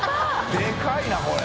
でかいなこれ。